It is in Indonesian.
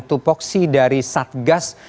tupoksi dari satgas